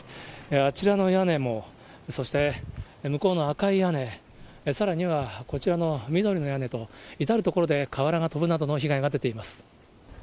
あちらの屋根も、そして向こうの赤い屋根、さらにはこちらの緑の屋根と、至る所で瓦が飛ぶなどの被害が出ています。